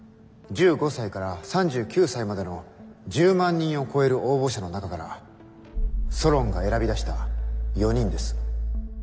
１５才から３９才までの１０万人を超える応募者の中からソロンが選び出した４人です。